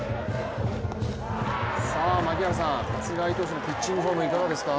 槙原さん、菅井投手のピッチングフォームどうですか？